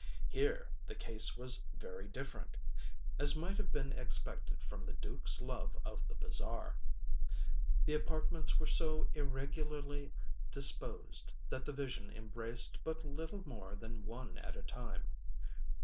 Here the case was very different; as might have been expected from the dukeŌĆÖs love of the bizarre. The apartments were so irregularly disposed that the vision embraced but little more than one at a time.